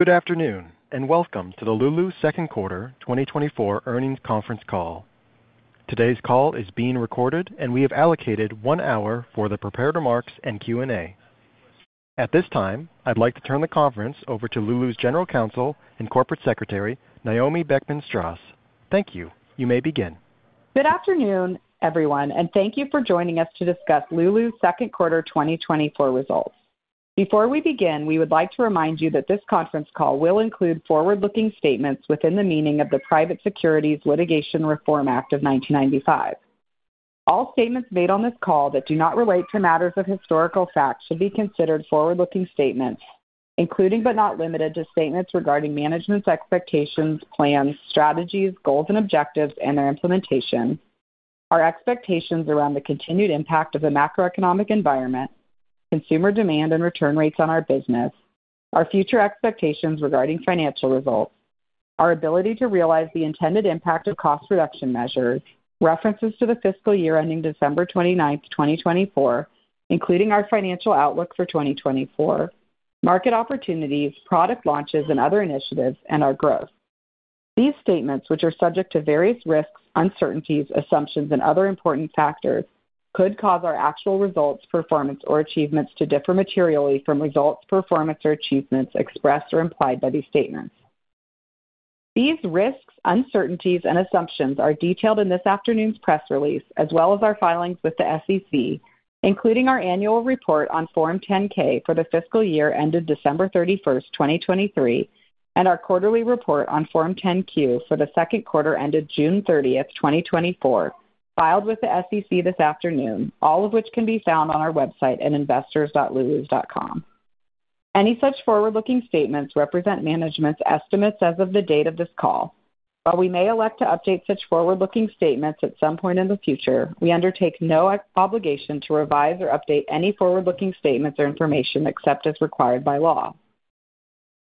Good afternoon, and welcome to the Lulus second quarter 2024 earnings conference call. Today's call is being recorded, and we have allocated 1 hour for the prepared remarks and Q&A. At this time, I'd like to turn the conference over to Lulus' General Counsel and Corporate Secretary, Naomi Beckman-Straus. Thank you. You may begin. Good afternoon, everyone, and thank you for joining us to discuss Lulus second quarter 2024 results. Before we begin, we would like to remind you that this conference call will include forward-looking statements within the meaning of the Private Securities Litigation Reform Act of 1995. All statements made on this call that do not relate to matters of historical fact should be considered forward-looking statements, including but not limited to, statements regarding management's expectations, plans, strategies, goals and objectives and their implementation, our expectations around the continued impact of the macroeconomic environment, consumer demand, and return rates on our business, our future expectations regarding financial results, our ability to realize the intended impact of cost reduction measures, references to the fiscal year ending December 29, 2024, including our financial outlook for 2024, market opportunities, product launches and other initiatives, and our growth. These statements, which are subject to various risks, uncertainties, assumptions, and other important factors, could cause our actual results, performance, or achievements to differ materially from results, performance, or achievements expressed or implied by these statements. These risks, uncertainties and assumptions are detailed in this afternoon's press release, as well as our filings with the SEC, including our annual report on Form 10-K for the fiscal year ended December 31, 2023, and our quarterly report on Form 10-Q for the second quarter ended June 30, 2024, filed with the SEC this afternoon, all of which can be found on our website at investors.lulus.com. Any such forward-looking statements represent management's estimates as of the date of this call. While we may elect to update such forward-looking statements at some point in the future, we undertake no obligation to revise or update any forward-looking statements or information except as required by law.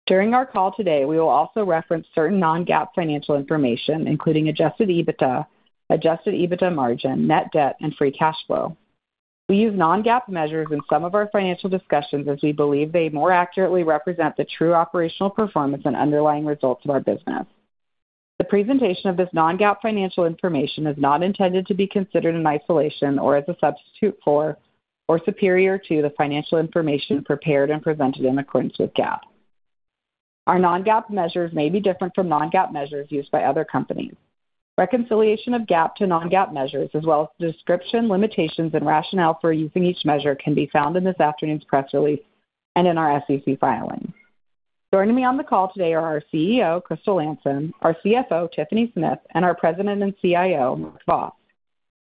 During our call today, we will also reference certain non-GAAP financial information, including adjusted EBITDA, adjusted EBITDA margin, net debt, and free cash flow. We use non-GAAP measures in some of our financial discussions as we believe they more accurately represent the true operational performance and underlying results of our business. The presentation of this non-GAAP financial information is not intended to be considered in isolation or as a substitute for or superior to the financial information prepared and presented in accordance with GAAP. Our non-GAAP measures may be different from non-GAAP measures used by other companies. Reconciliation of GAAP to non-GAAP measures as well as description, limitations, and rationale for using each measure can be found in this afternoon's press release and in our SEC filings. Joining me on the call today are our CEO, Crystal Landsem, our CFO, Tiffany Smith, and our President and CIO, Mark Vos.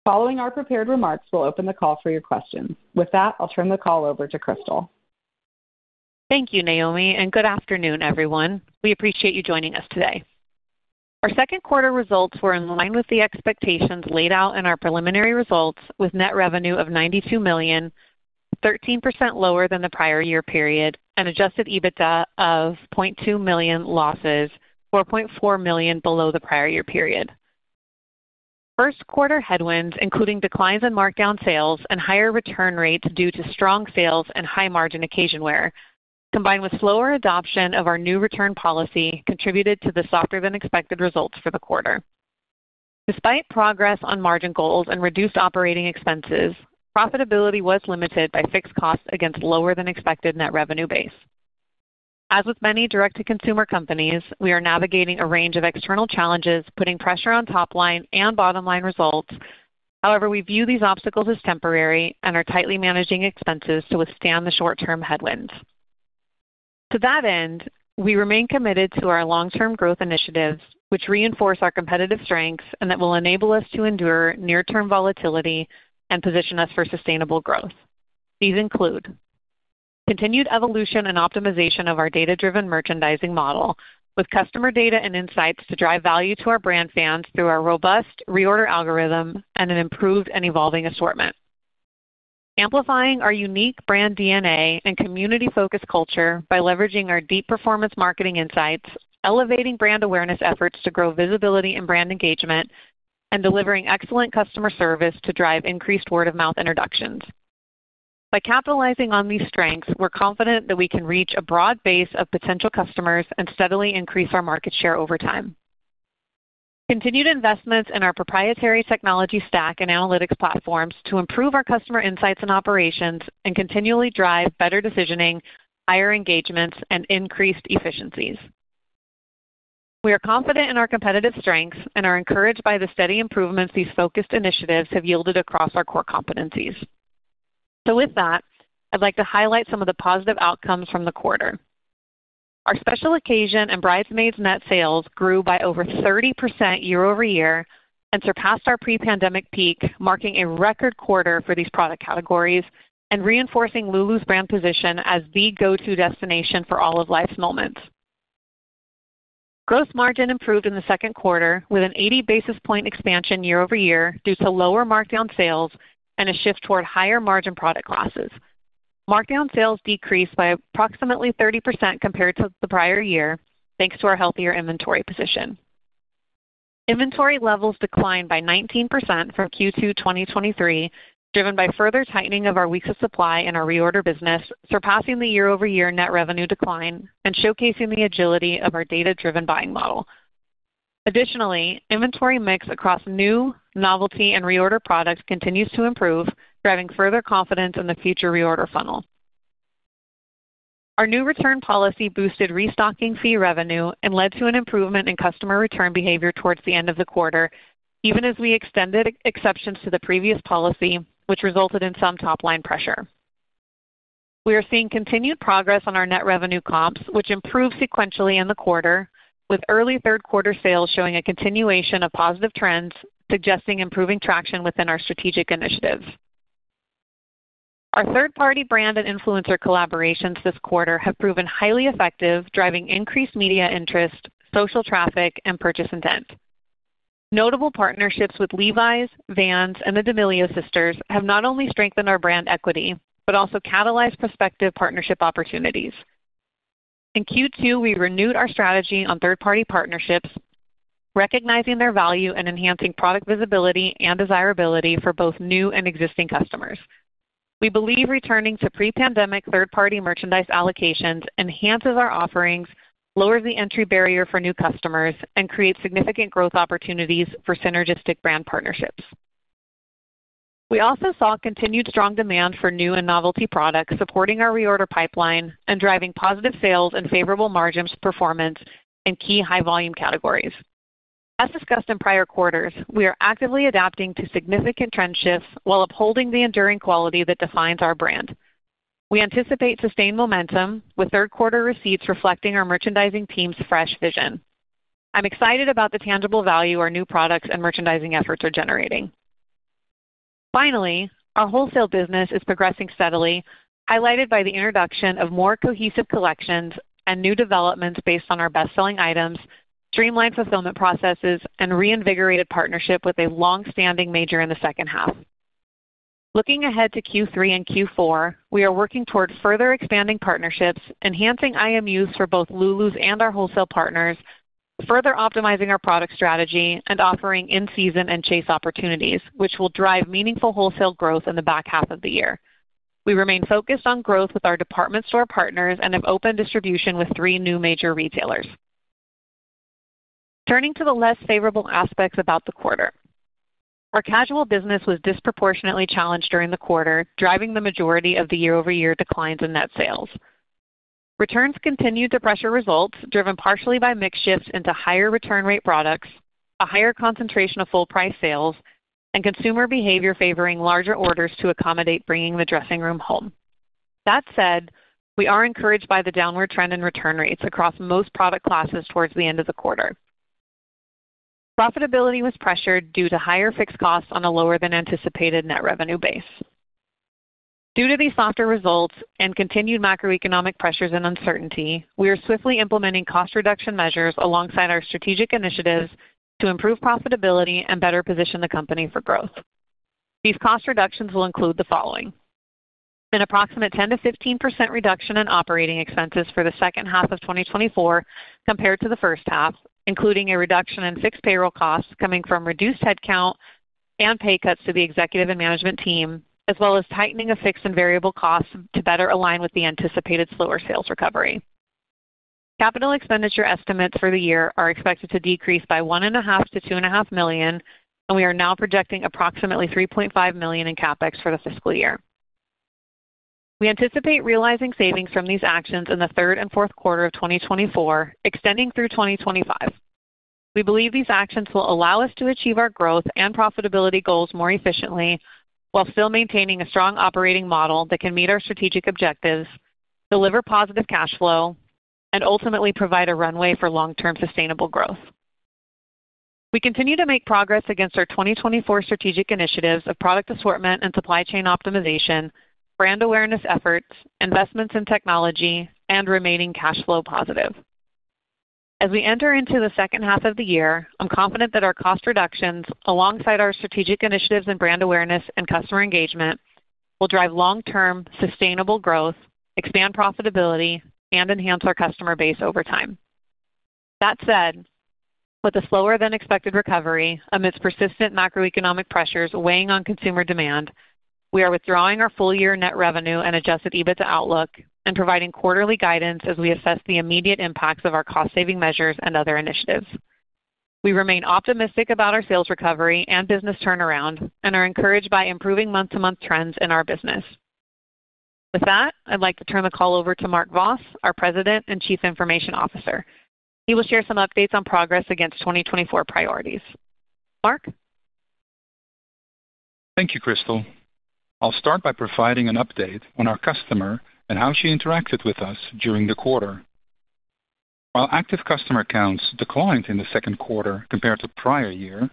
Following our prepared remarks, we'll open the call for your questions. With that, I'll turn the call over to Crystal. Thank you, Naomi, and good afternoon, everyone. We appreciate you joining us today. Our second quarter results were in line with the expectations laid out in our preliminary results, with net revenue of $92 million, 13% lower than the prior year period, and Adjusted EBITDA of $0.2 million loss, or $0.4 million below the prior year period. First quarter headwinds, including declines in markdown sales and higher return rates due to strong sales and high-margin occasion wear, combined with slower adoption of our new return policy, contributed to the softer-than-expected results for the quarter. Despite progress on margin goals and reduced operating expenses, profitability was limited by fixed costs against lower-than-expected net revenue base. As with many direct-to-consumer companies, we are navigating a range of external challenges, putting pressure on top line and bottom line results. However, we view these obstacles as temporary and are tightly managing expenses to withstand the short-term headwinds. To that end, we remain committed to our long-term growth initiatives, which reinforce our competitive strengths and that will enable us to endure near-term volatility and position us for sustainable growth. These include: continued evolution and optimization of our data-driven merchandising model with customer data and insights to drive value to our brand fans through our robust reorder algorithm and an improved and evolving assortment. Amplifying our unique brand DNA and community-focused culture by leveraging our deep performance marketing insights, elevating brand awareness efforts to grow visibility and brand engagement, and delivering excellent customer service to drive increased word-of-mouth introductions. By capitalizing on these strengths, we're confident that we can reach a broad base of potential customers and steadily increase our market share over time. Continued investments in our proprietary technology stack and analytics platforms to improve our customer insights and operations and continually drive better decisioning, higher engagements, and increased efficiencies. We are confident in our competitive strengths and are encouraged by the steady improvements these focused initiatives have yielded across our core competencies. So with that, I'd like to highlight some of the positive outcomes from the quarter. Our special occasion and bridesmaids net sales grew by over 30% year-over-year and surpassed our pre-pandemic peak, marking a record quarter for these product categories and reinforcing Lulus brand position as the go-to destination for all of life's moments. Gross margin improved in the second quarter with an 80 basis point expansion year-over-year due to lower markdown sales and a shift toward higher-margin product classes. Markdown sales decreased by approximately 30% compared to the prior year, thanks to our healthier inventory position. Inventory levels declined by 19% from Q2 2023, driven by further tightening of our weeks of supply in our reorder business, surpassing the year-over-year net revenue decline and showcasing the agility of our data-driven buying model. Additionally, inventory mix across new, novelty, and reorder products continues to improve, driving further confidence in the future reorder funnel. Our new return policy boosted restocking fee revenue and led to an improvement in customer return behavior towards the end of the quarter, even as we extended exceptions to the previous policy, which resulted in some top-line pressure. We are seeing continued progress on our net revenue comps, which improved sequentially in the quarter, with early third quarter sales showing a continuation of positive trends, suggesting improving traction within our strategic initiatives. Our third-party brand and influencer collaborations this quarter have proven highly effective, driving increased media interest, social traffic, and purchase intent. Notable partnerships with Levi's, Vans, and the D'Amelio sisters have not only strengthened our brand equity, but also catalyzed prospective partnership opportunities. In Q2, we renewed our strategy on third-party partnerships, recognizing their value and enhancing product visibility and desirability for both new and existing customers. We believe returning to pre-pandemic third-party merchandise allocations enhances our offerings, lowers the entry barrier for new customers, and creates significant growth opportunities for synergistic brand partnerships. We also saw continued strong demand for new and novelty products, supporting our reorder pipeline and driving positive sales and favorable margins performance in key high volume categories. As discussed in prior quarters, we are actively adapting to significant trend shifts while upholding the enduring quality that defines our brand. We anticipate sustained momentum, with third quarter receipts reflecting our merchandising team's fresh vision. I'm excited about the tangible value our new products and merchandising efforts are generating. Finally, our wholesale business is progressing steadily, highlighted by the introduction of more cohesive collections and new developments based on our best-selling items, streamlined fulfillment processes, and reinvigorated partnership with a long-standing major in the second half. Looking ahead to Q3 and Q4, we are working toward further expanding partnerships, enhancing IMUs for both Lulus and our wholesale partners, further optimizing our product strategy, and offering in-season and chase opportunities, which will drive meaningful wholesale growth in the back half of the year. We remain focused on growth with our department store partners and have opened distribution with three new major retailers. Turning to the less favorable aspects about the quarter. Our casual business was disproportionately challenged during the quarter, driving the majority of the year-over-year declines in net sales. Returns continued to pressure results, driven partially by mix shifts into higher return rate products, a higher concentration of full price sales, and consumer behavior favoring larger orders to accommodate bringing the dressing room home. That said, we are encouraged by the downward trend in return rates across most product classes towards the end of the quarter. Profitability was pressured due to higher fixed costs on a lower than anticipated net revenue base. Due to these softer results and continued macroeconomic pressures and uncertainty, we are swiftly implementing cost reduction measures alongside our strategic initiatives to improve profitability and better position the company for growth. These cost reductions will include the following: an approximate 10%-15% reduction in operating expenses for the second half of 2024 compared to the first half, including a reduction in fixed payroll costs coming from reduced headcount and pay cuts to the executive and management team, as well as tightening of fixed and variable costs to better align with the anticipated slower sales recovery. Capital expenditure estimates for the year are expected to decrease by $1.5 million-$2.5 million, and we are now projecting approximately $3.5 million in CapEx for the fiscal year. We anticipate realizing savings from these actions in the third and fourth quarter of 2024, extending through 2025. We believe these actions will allow us to achieve our growth and profitability goals more efficiently, while still maintaining a strong operating model that can meet our strategic objectives, deliver positive cash flow, and ultimately provide a runway for long-term sustainable growth. We continue to make progress against our 2024 strategic initiatives of product assortment and supply chain optimization, brand awareness efforts, investments in technology, and remaining cash flow positive. As we enter into the second half of the year, I'm confident that our cost reductions, alongside our strategic initiatives in brand awareness and customer engagement, will drive long-term sustainable growth, expand profitability, and enhance our customer base over time. That said, with a slower than expected recovery amidst persistent macroeconomic pressures weighing on consumer demand, we are withdrawing our full year net revenue and Adjusted EBITDA outlook and providing quarterly guidance as we assess the immediate impacts of our cost saving measures and other initiatives. We remain optimistic about our sales recovery and business turnaround and are encouraged by improving month-to-month trends in our business. With that, I'd like to turn the call over to Mark Vos, our President and Chief Information Officer. He will share some updates on progress against 2024 priorities. Mark? Thank you, Crystal. I'll start by providing an update on our customer and how she interacted with us during the quarter. While active customer counts declined in the second quarter compared to prior year,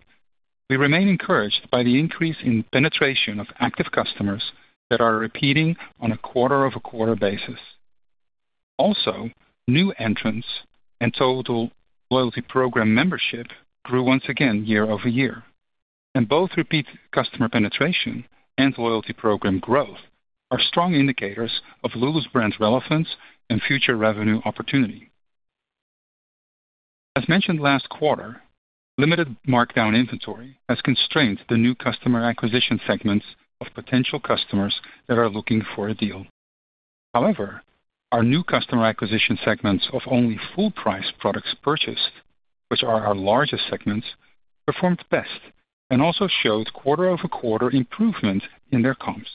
we remain encouraged by the increase in penetration of active customers that are repeating on a quarter-over-quarter basis. Also, new entrants and total loyalty program membership grew once again year-over-year. And both repeat customer penetration and loyalty program growth are strong indicators of Lulus brand relevance and future revenue opportunity. As mentioned last quarter, limited markdown inventory has constrained the new customer acquisition segments of potential customers that are looking for a deal. However, our new customer acquisition segments of only full price products purchased, which are our largest segments, performed best and also showed quarter-over-quarter improvement in their comps.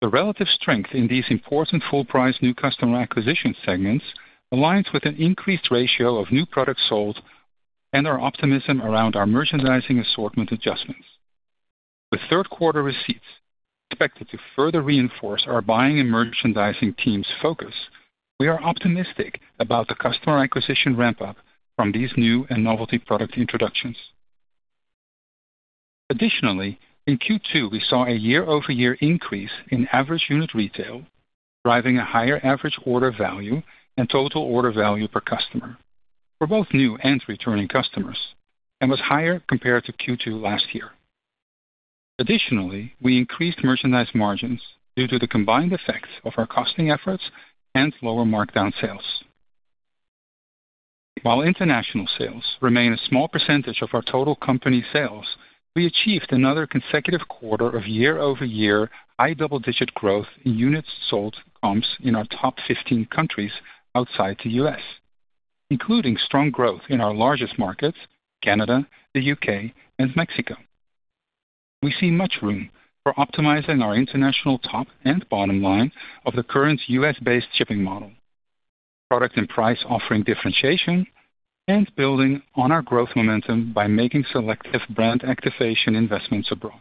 The relative strength in these important full price new customer acquisition segments aligns with an increased ratio of new products sold and our optimism around our merchandising assortment adjustments. With third quarter receipts expected to further reinforce our buying and merchandising team's focus, we are optimistic about the customer acquisition ramp-up from these new and novelty product introductions. Additionally, in Q2, we saw a year-over-year increase in average unit retail, driving a higher average order value and total order value per customer for both new and returning customers, and was higher compared to Q2 last year. Additionally, we increased merchandise margins due to the combined effects of our costing efforts and lower markdown sales. While international sales remain a small percentage of our total company sales, we achieved another consecutive quarter of year-over-year high double-digit growth in units sold comps in our top 15 countries outside the U.S., including strong growth in our largest markets, Canada, the U.K., and Mexico. We see much room for optimizing our international top and bottom line of the current U.S.-based shipping model, product and price offering differentiation, and building on our growth momentum by making selective brand activation investments abroad.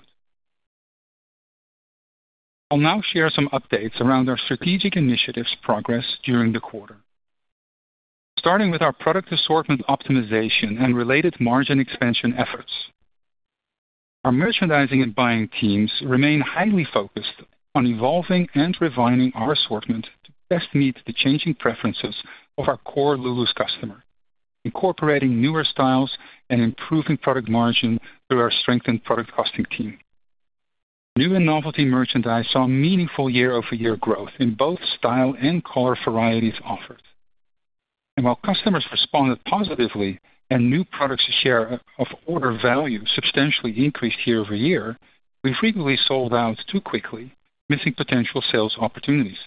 I'll now share some updates around our strategic initiatives progress during the quarter. Starting with our product assortment optimization and related margin expansion efforts. Our merchandising and buying teams remain highly focused on evolving and refining our assortment to best meet the changing preferences of our core Lulus customer, incorporating newer styles and improving product margin through our strengthened product costing team. New and novelty merchandise saw meaningful year-over-year growth in both style and color varieties offered. While customers responded positively and new products share of order value substantially increased year-over-year, we frequently sold out too quickly, missing potential sales opportunities.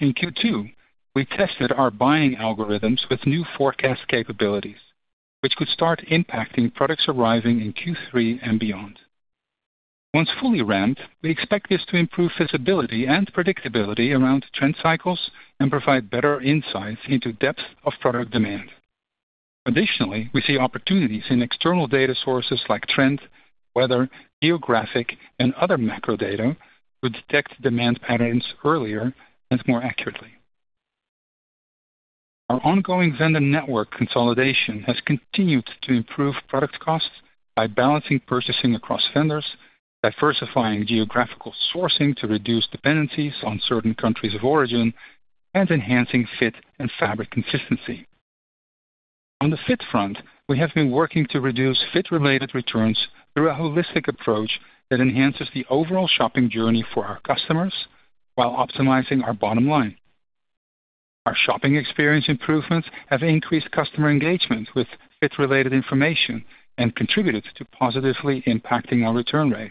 In Q2, we tested our buying algorithms with new forecast capabilities, which could start impacting products arriving in Q3 and beyond. Once fully ramped, we expect this to improve visibility and predictability around trend cycles and provide better insights into depth of product demand. Additionally, we see opportunities in external data sources like trend, weather, geographic, and other macro data to detect demand patterns earlier and more accurately. Our ongoing vendor network consolidation has continued to improve product costs by balancing purchasing across vendors, diversifying geographical sourcing to reduce dependencies on certain countries of origin, and enhancing fit and fabric consistency. On the fit front, we have been working to reduce fit-related returns through a holistic approach that enhances the overall shopping journey for our customers while optimizing our bottom line. Our shopping experience improvements have increased customer engagement with fit-related information and contributed to positively impacting our return rate.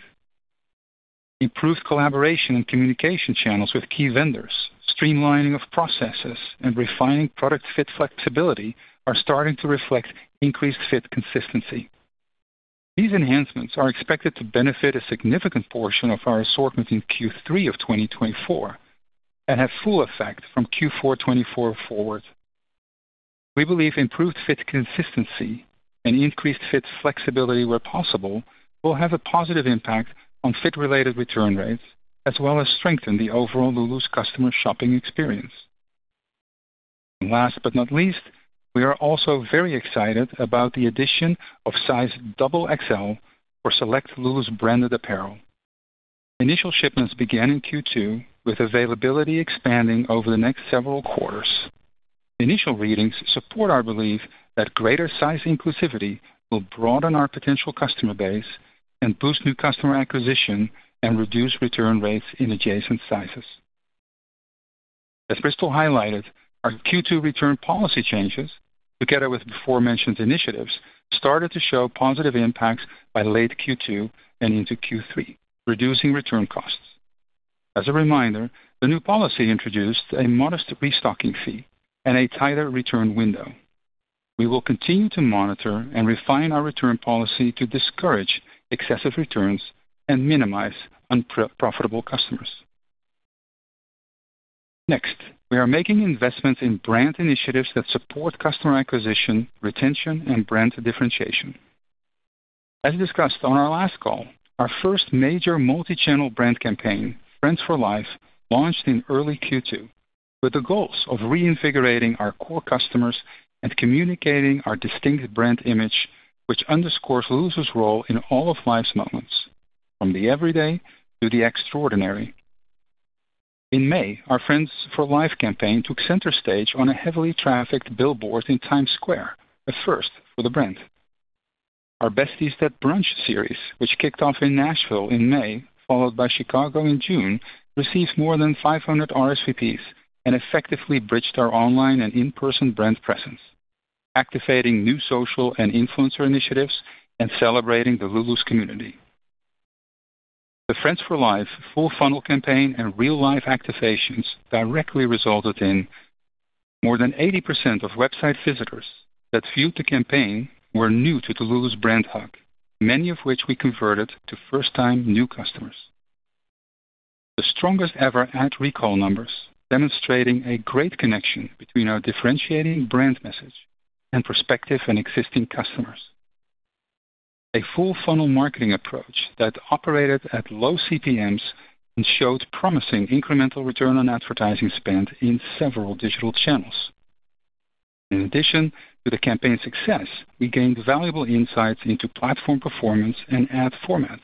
Improved collaboration and communication channels with key vendors, streamlining of processes, and refining product fit flexibility are starting to reflect increased fit consistency. These enhancements are expected to benefit a significant portion of our assortment in Q3 of 2024 and have full effect from Q4 2024 forward. We believe improved fit consistency and increased fit flexibility, where possible, will have a positive impact on fit-related return rates, as well as strengthen the overall Lulus customer shopping experience. Last but not least, we are also very excited about the addition of size XXL for select Lulus branded apparel. Initial shipments began in Q2, with availability expanding over the next several quarters. Initial readings support our belief that greater size inclusivity will broaden our potential customer base and boost new customer acquisition and reduce return rates in adjacent sizes. As Crystal highlighted, our Q2 return policy changes, together with aforementioned initiatives, started to show positive impacts by late Q2 and into Q3, reducing return costs. As a reminder, the new policy introduced a modest restocking fee and a tighter return window. We will continue to monitor and refine our return policy to discourage excessive returns and minimize unprofitable customers. Next, we are making investments in brand initiatives that support customer acquisition, retention, and brand differentiation. As discussed on our last call, our first major multi-channel brand campaign, Friends for Life, launched in early Q2 with the goals of reinvigorating our core customers and communicating our distinct brand image, which underscores Lulus role in all of life's moments, from the everyday to the extraordinary. In May, our Friends for Life campaign took center stage on a heavily trafficked billboard in Times Square, a first for the brand. Our Besties that Brunch series, which kicked off in Nashville in May, followed by Chicago in June, receives more than 500 RSVPs and effectively bridged our online and in-person brand presence, activating new social and influencer initiatives and celebrating the Lulus community. The Friends for Life full funnel campaign and real-life activations directly resulted in more than 80% of website visitors that viewed the campaign were new to the Lulus brand hub, many of which we converted to first-time new customers. The strongest ever ad recall numbers, demonstrating a great connection between our differentiating brand message and prospective and existing customers. A full funnel marketing approach that operated at low CPMs and showed promising incremental return on advertising spend in several digital channels. In addition to the campaign's success, we gained valuable insights into platform performance and ad formats.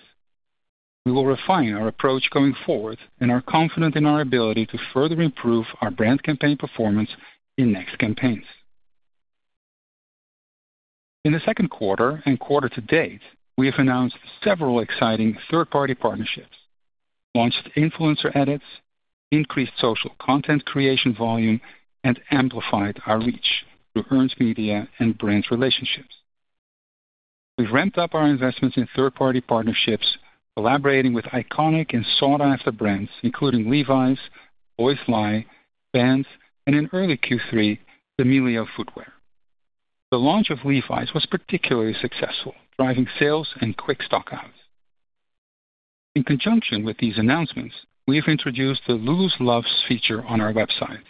We will refine our approach going forward and are confident in our ability to further improve our brand campaign performance in next campaigns. In the second quarter and quarter to date, we have announced several exciting third-party partnerships, launched influencer edits, increased social content creation volume, and amplified our reach through earned media and brand relationships. We've ramped up our investments in third-party partnerships, collaborating with iconic and sought-after brands, including Levi's, Boys Lie, Vans, and in early Q3, D'Amelio Footwear. The launch of Levi's was particularly successful, driving sales and quick stockouts. In conjunction with these announcements, we've introduced the Lulus Loves feature on our website.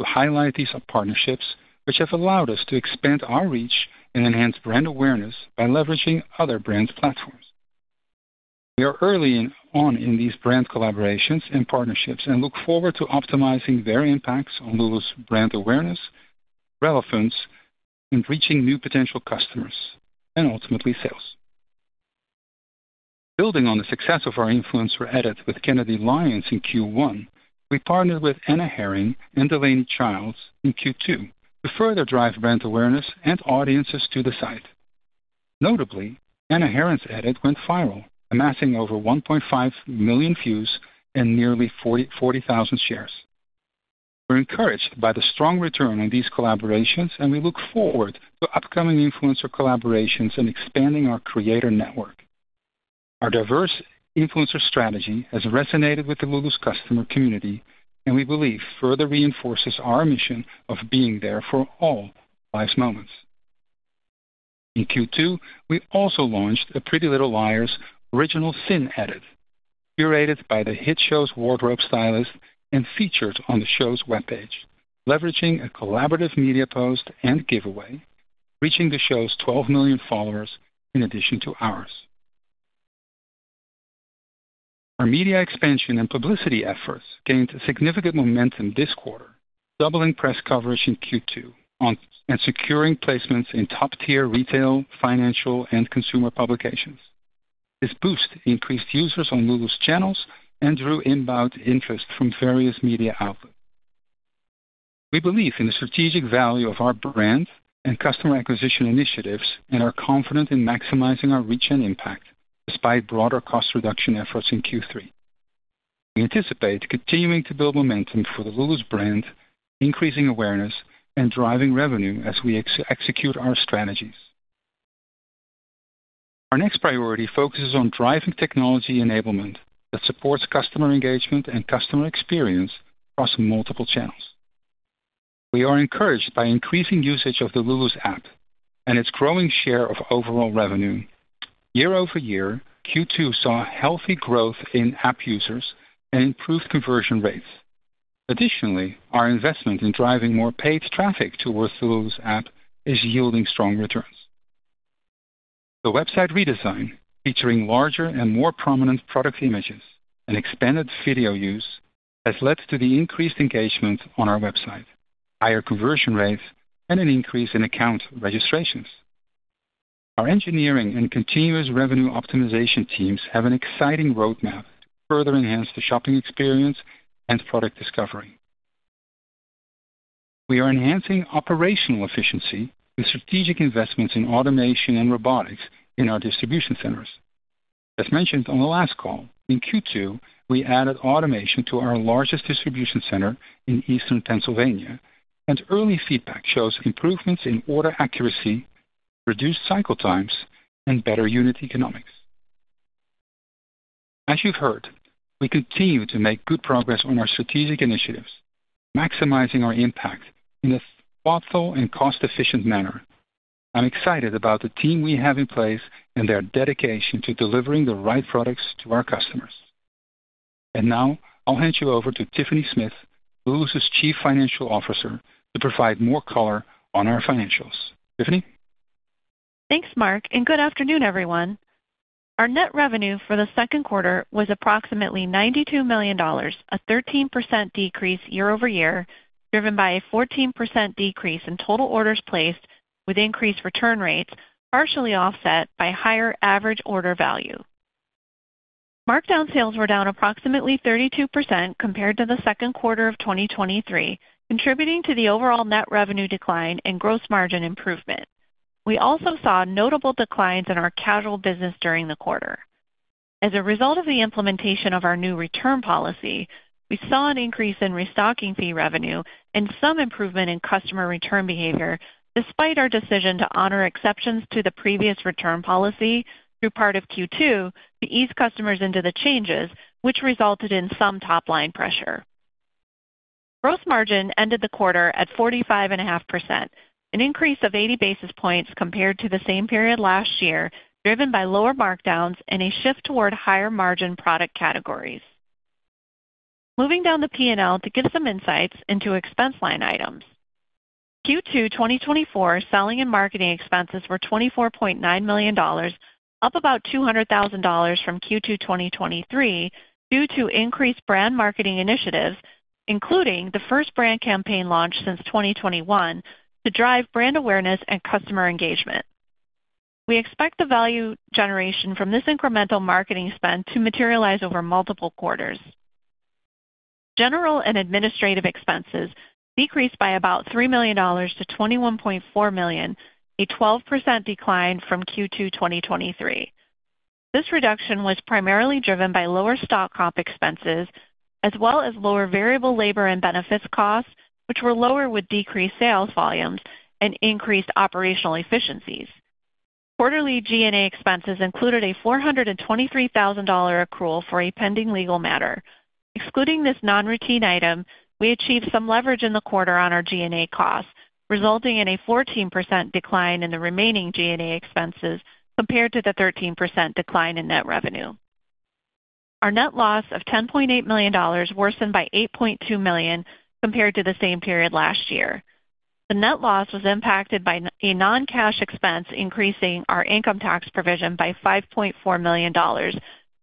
We highlight these partnerships, which have allowed us to expand our reach and enhance brand awareness by leveraging other brands' platforms. We are early in on these brand collaborations and partnerships, and look forward to optimizing their impacts on Lulus brand awareness, relevance, and reaching new potential customers, and ultimately, sales. Building on the success of our influencer edit with Kennedy Lyons in Q1, we partnered with Anna Herrin and Delaney Childs in Q2 to further drive brand awareness and audiences to the site. Notably, Anna Herrin's edit went viral, amassing over 1.5 million views and nearly 40,000 shares. We're encouraged by the strong return on these collaborations, and we look forward to upcoming influencer collaborations and expanding our creator network. Our diverse influencer strategy has resonated with the Lulus customer community, and we believe, further reinforces our mission of being there for all life's moments. In Q2, we also launched a Pretty Little Liars: Original Sin Edit, curated by the hit show's wardrobe stylist and featured on the show's webpage, leveraging a collaborative media post and giveaway, reaching the show's 12 million followers in addition to ours. Our media expansion and publicity efforts gained significant momentum this quarter, doubling press coverage in Q2, and securing placements in top-tier retail, financial, and consumer publications. This boost increased users on Lulus channels and drew inbound interest from various media outlets. We believe in the strategic value of our brand and customer acquisition initiatives and are confident in maximizing our reach and impact despite broader cost reduction efforts in Q3. We anticipate continuing to build momentum for the Lulus brand, increasing awareness, and driving revenue as we execute our strategies. Our next priority focuses on driving technology enablement that supports customer engagement and customer experience across multiple channels. We are encouraged by increasing usage of the Lulus app and its growing share of overall revenue. Year-over-year, Q2 saw healthy growth in app users and improved conversion rates. Additionally, our investment in driving more paid traffic towards Lulus app is yielding strong returns. The website redesign, featuring larger and more prominent product images and expanded video use, has led to the increased engagement on our website, higher conversion rates, and an increase in account registrations. Our engineering and continuous revenue optimization teams have an exciting roadmap to further enhance the shopping experience and product discovery. We are enhancing operational efficiency with strategic investments in automation and robotics in our distribution centers. As mentioned on the last call, in Q2, we added automation to our largest distribution center in Easton, Pennsylvania, and early feedback shows improvements in order accuracy, reduced cycle times, and better unit economics. As you've heard, we continue to make good progress on our strategic initiatives, maximizing our impact in a thoughtful and cost-efficient manner. I'm excited about the team we have in place and their dedication to delivering the right products to our customers. Now I'll hand you over to Tiffany Smith, Lulus Chief Financial Officer, to provide more color on our financials. Tiffany? Thanks, Mark, and good afternoon, everyone. Our net revenue for the second quarter was approximately $92 million, a 13% decrease year-over-year, driven by a 14% decrease in total orders placed with increased return rates, partially offset by higher average order value.... Markdown sales were down approximately 32% compared to the second quarter of 2023, contributing to the overall net revenue decline and gross margin improvement. We also saw notable declines in our casual business during the quarter. As a result of the implementation of our new return policy, we saw an increase in restocking fee revenue and some improvement in customer return behavior, despite our decision to honor exceptions to the previous return policy through part of Q2 to ease customers into the changes, which resulted in some top-line pressure. Gross margin ended the quarter at 45.5%, an increase of 80 basis points compared to the same period last year, driven by lower markdowns and a shift toward higher margin product categories. Moving down the PNL to give some insights into expense line items. Q2 2024, selling and marketing expenses were $24.9 million, up about $200,000 from Q2 2023, due to increased brand marketing initiatives, including the first brand campaign launch since 2021, to drive brand awareness and customer engagement. We expect the value generation from this incremental marketing spend to materialize over multiple quarters. General and administrative expenses decreased by about $3 million to $21.4 million, a 12% decline from Q2 2023. This reduction was primarily driven by lower stock comp expenses, as well as lower variable labor and benefits costs, which were lower with decreased sales volumes and increased operational efficiencies. Quarterly G&A expenses included a $423,000 accrual for a pending legal matter. Excluding this non-routine item, we achieved some leverage in the quarter on our G&A costs, resulting in a 14% decline in the remaining G&A expenses compared to the 13% decline in net revenue. Our net loss of $10.8 million worsened by $8.2 million compared to the same period last year. The net loss was impacted by a non-cash expense, increasing our income tax provision by $5.4 million,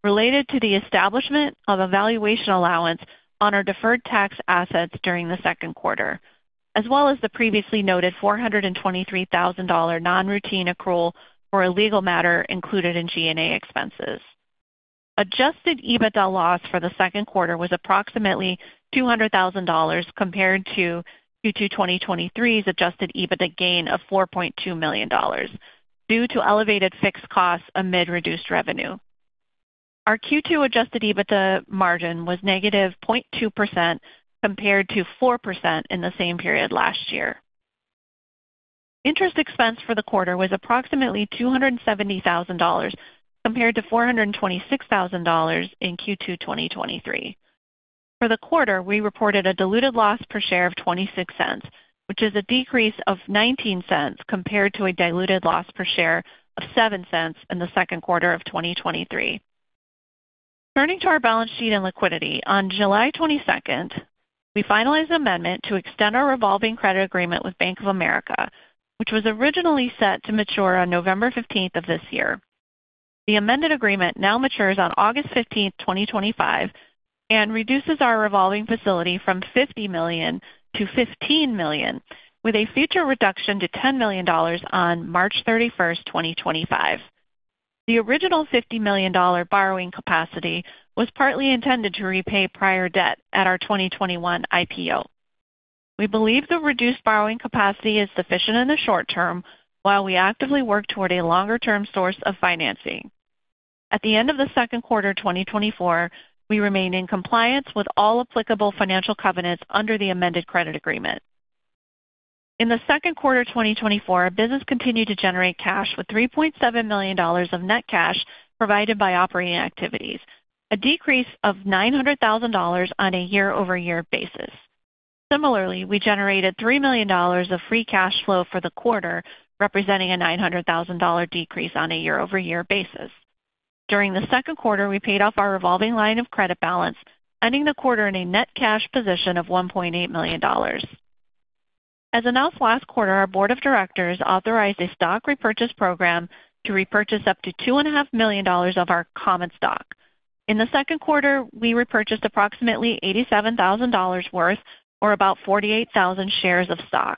related to the establishment of a valuation allowance on our deferred tax assets during the second quarter, as well as the previously noted $423,000 non-routine accrual for a legal matter included in G&A expenses. Adjusted EBITDA loss for the second quarter was approximately $200,000 compared to Q2 2023's adjusted EBITDA gain of $4.2 million due to elevated fixed costs amid reduced revenue. Our Q2 adjusted EBITDA margin was -0.2% compared to 4% in the same period last year. Interest expense for the quarter was approximately $270,000, compared to $426,000 in Q2 2023. For the quarter, we reported a diluted loss per share of $0.26, which is a decrease of $0.19 compared to a diluted loss per share of $0.07 in the second quarter of 2023. Turning to our balance sheet and liquidity, on July 22, we finalized an amendment to extend our revolving credit agreement with Bank of America, which was originally set to mature on November 15 of this year. The amended agreement now matures on August 15, 2025, and reduces our revolving facility from $50 million to $15 million, with a future reduction to $10 million on March 31, 2025. The original $50 million borrowing capacity was partly intended to repay prior debt at our 2021 IPO. We believe the reduced borrowing capacity is sufficient in the short term, while we actively work toward a longer-term source of financing. At the end of the second quarter 2024, we remain in compliance with all applicable financial covenants under the amended credit agreement. In the second quarter 2024, our business continued to generate cash with $3.7 million of net cash provided by operating activities, a decrease of $900,000 on a year-over-year basis. Similarly, we generated $3 million of free cash flow for the quarter, representing a $900,000 decrease on a year-over-year basis. During the second quarter, we paid off our revolving line of credit balance, ending the quarter in a net cash position of $1.8 million. As announced last quarter, our board of directors authorized a stock repurchase program to repurchase up to $2.5 million of our common stock. In the second quarter, we repurchased approximately $87,000 worth, or about 48,000 shares of stock.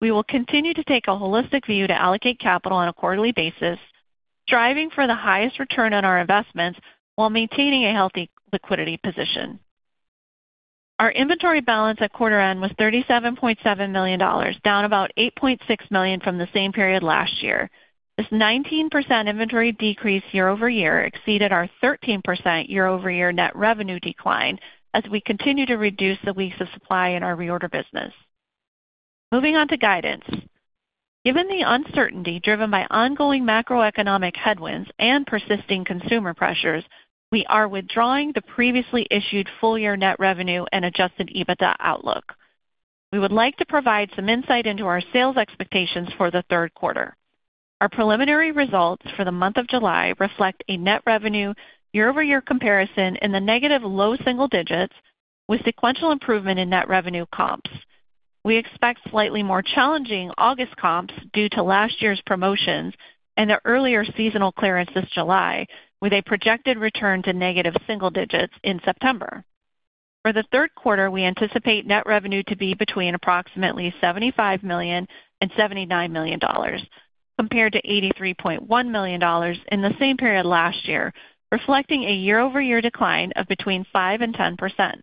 We will continue to take a holistic view to allocate capital on a quarterly basis, striving for the highest return on our investments while maintaining a healthy liquidity position. Our inventory balance at quarter end was $37.7 million, down about $8.6 million from the same period last year. This 19% inventory decrease year-over-year exceeded our 13% year-over-year net revenue decline as we continue to reduce the weeks of supply in our reorder business. Moving on to guidance. Given the uncertainty driven by ongoing macroeconomic headwinds and persisting consumer pressures, we are withdrawing the previously issued full-year net revenue and adjusted EBITDA outlook. We would like to provide some insight into our sales expectations for the third quarter. Our preliminary results for the month of July reflect a net revenue year-over-year comparison in the negative low single digits with sequential improvement in net revenue comps. We expect slightly more challenging August comps due to last year's promotions and the earlier seasonal clearance this July, with a projected return to negative single digits in September. For the third quarter, we anticipate net revenue to be between approximately $75 million and $79 million, compared to $83.1 million in the same period last year, reflecting a year-over-year decline of between 5% and 10%.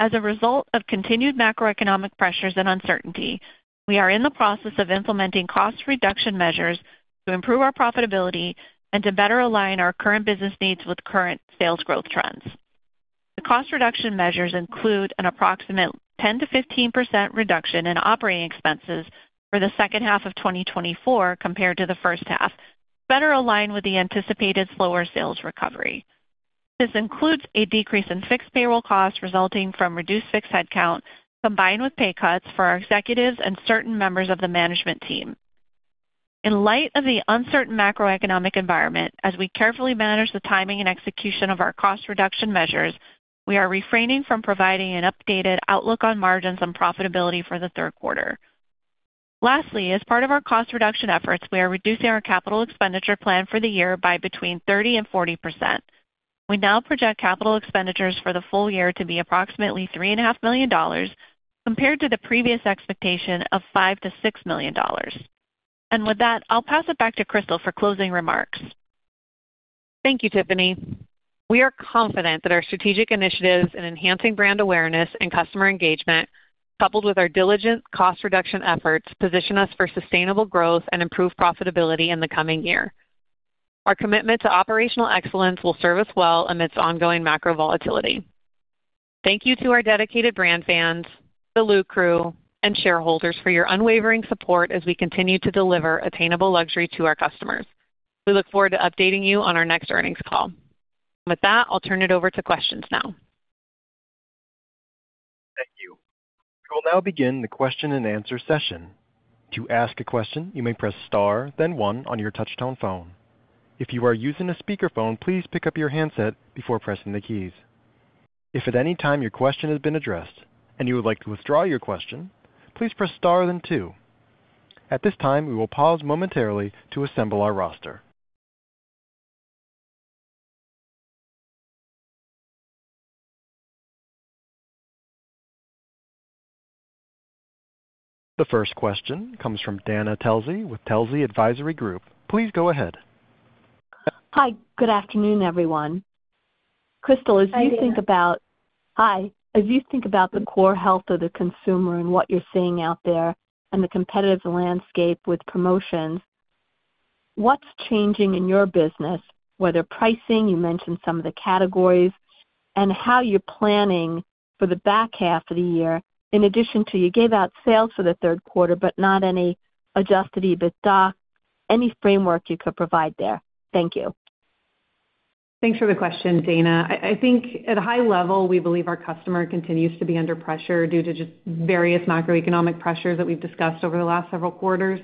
As a result of continued macroeconomic pressures and uncertainty, we are in the process of implementing cost reduction measures to improve our profitability and to better align our current business needs with current sales growth trends. The cost reduction measures include an approximate 10%-15% reduction in operating expenses for the second half of 2024 compared to the first half, to better align with the anticipated slower sales recovery. This includes a decrease in fixed payroll costs resulting from reduced fixed headcount, combined with pay cuts for our executives and certain members of the management team. In light of the uncertain macroeconomic environment, as we carefully manage the timing and execution of our cost reduction measures, we are refraining from providing an updated outlook on margins and profitability for the third quarter. Lastly, as part of our cost reduction efforts, we are reducing our capital expenditure plan for the year by between 30% and 40%. We now project capital expenditures for the full year to be approximately $3.5 million, compared to the previous expectation of $5 million-$6 million. With that, I'll pass it back to Crystal for closing remarks. Thank you, Tiffany. We are confident that our strategic initiatives in enhancing brand awareness and customer engagement, coupled with our diligent cost reduction efforts, position us for sustainable growth and improved profitability in the coming year. Our commitment to operational excellence will serve us well amidst ongoing macro volatility. Thank you to our dedicated brand fans, Lulus Crew, and shareholders for your unwavering support as we continue to deliver attainable luxury to our customers. We look forward to updating you on our next earnings call. With that, I'll turn it over to questions now. Thank you. We will now begin the question-and-answer session. To ask a question, you may press star, then one on your touchtone phone. If you are using a speakerphone, please pick up your handset before pressing the keys. If at any time your question has been addressed and you would like to withdraw your question, please press star then two. At this time, we will pause momentarily to assemble our roster. The first question comes from Dana Telsey with Telsey Advisory Group. Please go ahead. Hi, good afternoon, everyone. Crystal, as you think about- Hi, Dana. Hi. As you think about the core health of the consumer and what you're seeing out there and the competitive landscape with promotions, what's changing in your business, whether pricing, you mentioned some of the categories, and how you're planning for the back half of the year, in addition to you gave out sales for the third quarter, but not any adjusted EBITDA, any framework you could provide there? Thank you. Thanks for the question, Dana. I think at a high level, we believe our customer continues to be under pressure due to just various macroeconomic pressures that we've discussed over the last several quarters,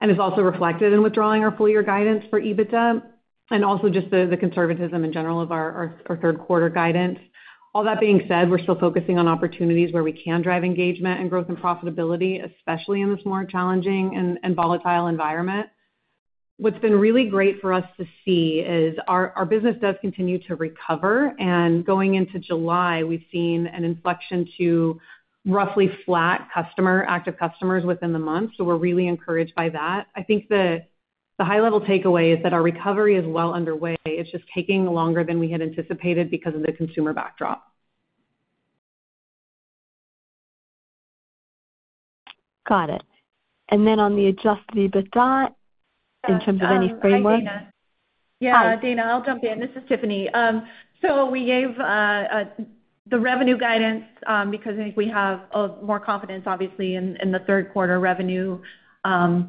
and is also reflected in withdrawing our full year guidance for EBITDA, and also just the conservatism in general of our third quarter guidance. All that being said, we're still focusing on opportunities where we can drive engagement and growth and profitability, especially in this more challenging and volatile environment. What's been really great for us to see is our business does continue to recover, and going into July, we've seen an inflection to roughly flat customer active customers within the month, so we're really encouraged by that. I think the high level takeaway is that our recovery is well underway. It's just taking longer than we had anticipated because of the consumer backdrop. Got it. And then on the Adjusted EBITDA in terms of any framework? Hi, Dana. Hi. Yeah, Dana, I'll jump in. This is Tiffany. So we gave the revenue guidance because I think we have more confidence, obviously, in the third quarter revenue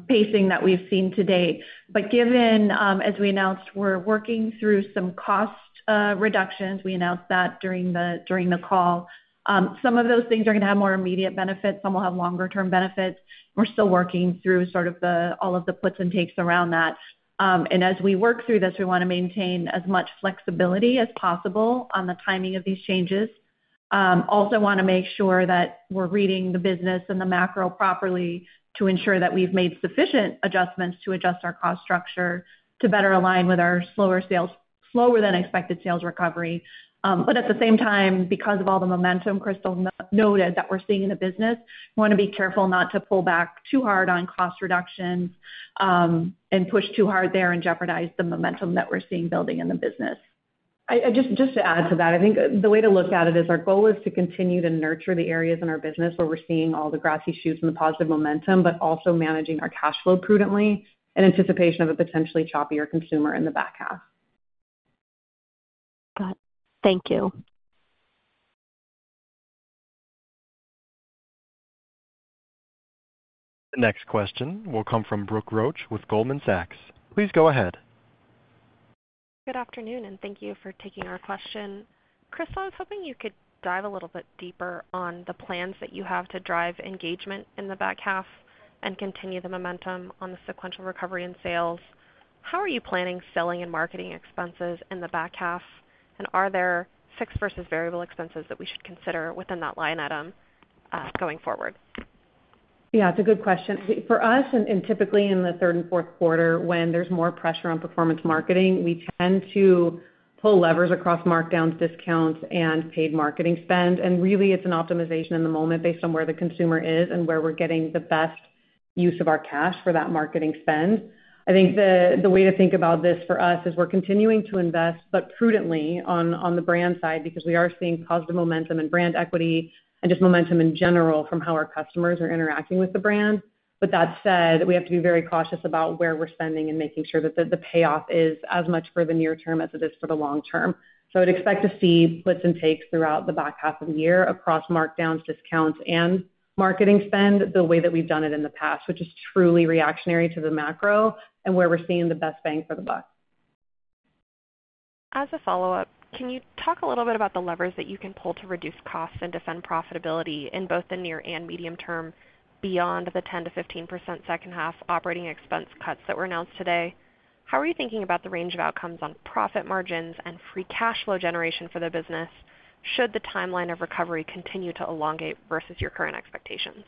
pacing that we've seen to date. But given, as we announced, we're working through some cost reductions, we announced that during the call. Some of those things are gonna have more immediate benefits, some will have longer term benefits. We're still working through sort of all of the puts and takes around that. And as we work through this, we wanna maintain as much flexibility as possible on the timing of these changes. Also wanna make sure that we're reading the business and the macro properly to ensure that we've made sufficient adjustments to adjust our cost structure to better align with our slower sales, slower than expected sales recovery. But at the same time, because of all the momentum Crystal noted that we're seeing in the business, we wanna be careful not to pull back too hard on cost reductions, and push too hard there and jeopardize the momentum that we're seeing building in the business. Just to add to that, I think the way to look at it is our goal is to continue to nurture the areas in our business where we're seeing all the grassroots and the positive momentum, but also managing our cash flow prudently in anticipation of a potentially choppier consumer in the back half. Got it. Thank you. The next question will come from Brooke Roach with Goldman Sachs. Please go ahead. Good afternoon, and thank you for taking our question. Crystal, I was hoping you could dive a little bit deeper on the plans that you have to drive engagement in the back half and continue the momentum on the sequential recovery and sales. How are you planning selling and marketing expenses in the back half? And are there fixed versus variable expenses that we should consider within that line item going forward?... Yeah, it's a good question. For us, and typically in the third and fourth quarter, when there's more pressure on performance marketing, we tend to pull levers across markdowns, discounts, and paid marketing spend. And really, it's an optimization in the moment based on where the consumer is and where we're getting the best use of our cash for that marketing spend. I think the way to think about this for us is we're continuing to invest, but prudently on the brand side, because we are seeing positive momentum and brand equity and just momentum in general from how our customers are interacting with the brand. But that said, we have to be very cautious about where we're spending and making sure that the payoff is as much for the near term as it is for the long term. So I'd expect to see puts and takes throughout the back half of the year across markdowns, discounts, and marketing spend, the way that we've done it in the past, which is truly reactionary to the macro and where we're seeing the best bang for the buck. As a follow-up, can you talk a little bit about the levers that you can pull to reduce costs and defend profitability in both the near and medium term beyond the 10%-15% second half operating expense cuts that were announced today? How are you thinking about the range of outcomes on profit margins and free cash flow generation for the business, should the timeline of recovery continue to elongate versus your current expectations?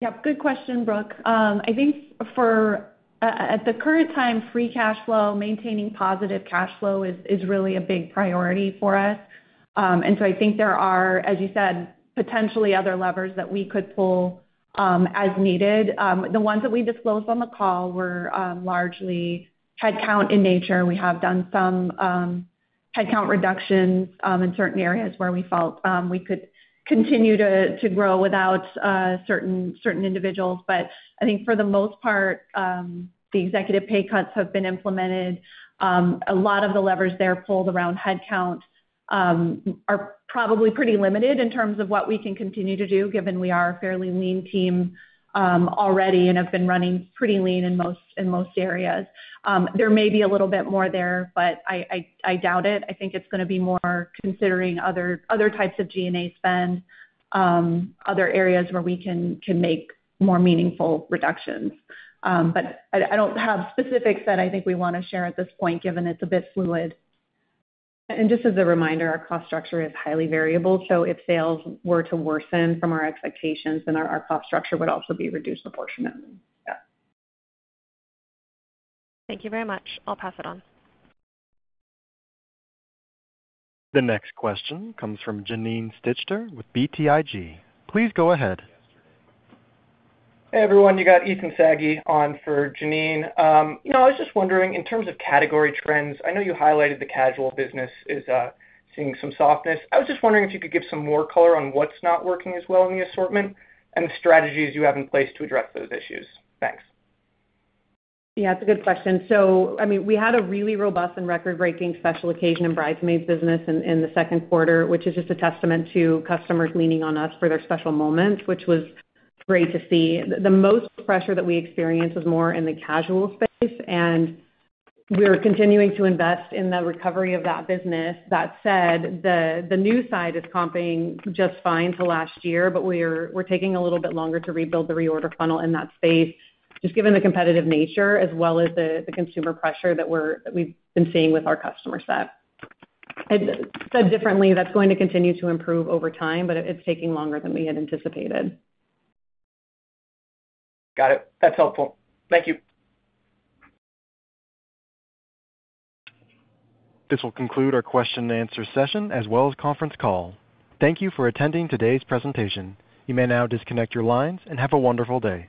Yep, good question, Brooke. I think at the current time, free cash flow, maintaining positive cash flow is really a big priority for us. And so I think there are, as you said, potentially other levers that we could pull, as needed. The ones that we disclosed on the call were largely headcount in nature. We have done some headcount reductions in certain areas where we felt we could continue to grow without certain individuals. But I think for the most part, the executive pay cuts have been implemented. A lot of the levers there pulled around headcount are probably pretty limited in terms of what we can continue to do, given we are a fairly lean team already and have been running pretty lean in most areas. There may be a little bit more there, but I doubt it. I think it's gonna be more considering other types of G&A spend, other areas where we can make more meaningful reductions. But I don't have specifics that I think we wanna share at this point, given it's a bit fluid. Just as a reminder, our cost structure is highly variable, so if sales were to worsen from our expectations, then our cost structure would also be reduced proportionately. Yeah. Thank you very much. I'll pass it on. The next question comes from Janine Stichter with BTIG. Please go ahead. Hey, everyone, you got Ethan Saghi on for Janine Stichter. You know, I was just wondering, in terms of category trends, I know you highlighted the casual business is seeing some softness. I was just wondering if you could give some more color on what's not working as well in the assortment and the strategies you have in place to address those issues. Thanks. Yeah, it's a good question. So, I mean, we had a really robust and record-breaking special occasion in bridesmaid business in the second quarter, which is just a testament to customers leaning on us for their special moments, which was great to see. The most pressure that we experienced was more in the casual space, and we're continuing to invest in the recovery of that business. That said, the new side is comping just fine to last year, but we're taking a little bit longer to rebuild the reorder funnel in that space, just given the competitive nature as well as the consumer pressure that we've been seeing with our customer set. Said differently, that's going to continue to improve over time, but it's taking longer than we had anticipated. Got it. That's helpful. Thank you. This will conclude our question and answer session as well as conference call. Thank you for attending today's presentation. You may now disconnect your lines and have a wonderful day.